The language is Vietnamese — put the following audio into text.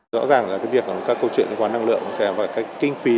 rõ ràng là việc các câu chuyện liên quan năng lượng và các kinh phí